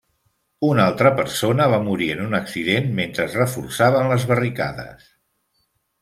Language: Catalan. Una altra persona va morir en un accident mentre es reforçaven les barricades.